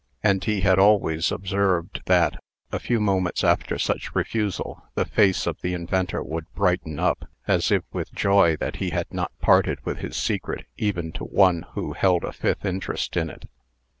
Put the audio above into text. And he had always observed that, a few moments after such refusal, the face of the inventor would brighten up, as if with joy that he had not parted with his secret even to one who held a fifth interest in it.